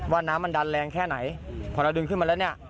ว่าน้ำมันดันแรงแค่ไหนพอเราดึงขึ้นมาแล้วเนี่ย